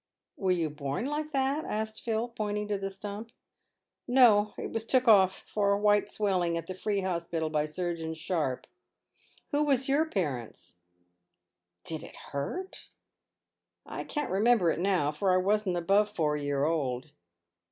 " Were you born like that ?" asked Phil, pointing to the stump. " JSo, it was took off for a white swelling at the Tree Hospital by Surgeon Sharp. Who was your parents ?" "Hid it hurt?" " I can't remember it now, for I wasn't above four year old.